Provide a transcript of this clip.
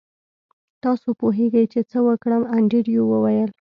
تاسو پوهیږئ چې څه وکړم انډریو وویل